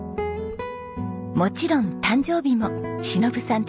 もちろん誕生日も忍さん